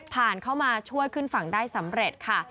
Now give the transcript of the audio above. เข้ามาช่วยขึ้นฝั่งได้สำเร็จค่ะ